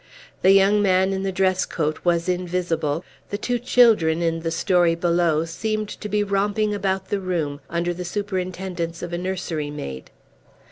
The young man in the dress coat was invisible; the two children, in the story below, seemed to be romping about the room, under the superintendence of a nursery maid.